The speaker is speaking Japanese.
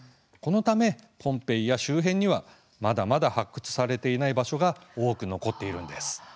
このため、ポンペイや周辺にはまだ発掘されていない場所が多く残っているのです。